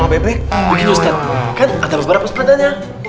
begini ustaz kan ada beberapa sepedanya